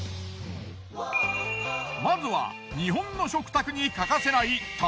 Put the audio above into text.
まずは日本の食卓に欠かせない卵。